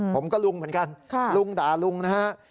ผมก็ลุงเหมือนกันลุงด่าลุงนะฮะ